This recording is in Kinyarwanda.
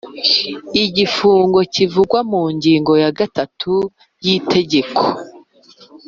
igifungo kivugwa mu ngingo ya gatatu y Itegeko